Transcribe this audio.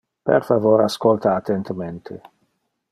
Per favor ascolta attentemente.